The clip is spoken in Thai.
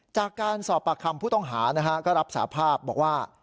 จากการสอบปากคำผู้ต้องหาก็รับสาภาพบอกว่า